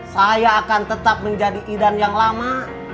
saya akan tetap menjadi idan yang lama